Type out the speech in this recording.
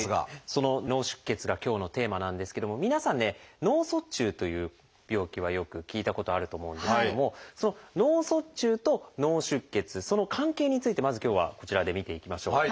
その「脳出血」が今日のテーマなんですけども皆さんね「脳卒中」という病気はよく聞いたことあると思うんですけどもその「脳卒中」と「脳出血」その関係についてまず今日はこちらで見ていきましょう。